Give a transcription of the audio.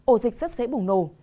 ổ dịch rất dễ bùng nổ